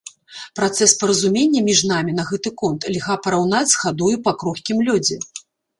Працэс паразумення між намі на гэты конт льга параўнаць з хадою па крохкім лёдзе.